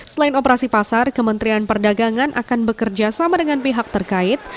selain operasi pasar kementerian perdagangan akan bekerja sama dengan pihak terkait